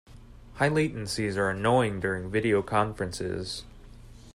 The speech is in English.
High latencies are annoying during video conferences.